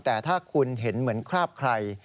แต่ถ้าคุณเห็นเหมือนคราบใคร